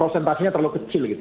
konsentrasinya terlalu kecil gitu